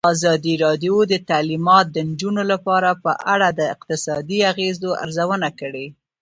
ازادي راډیو د تعلیمات د نجونو لپاره په اړه د اقتصادي اغېزو ارزونه کړې.